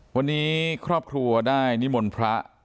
วันนี้ครอบครัวได้นิมนต์พระ